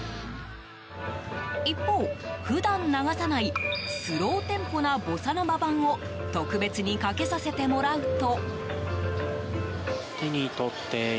一方、普段流さないスローテンポなボサノバ版を特別にかけさせてもらうと。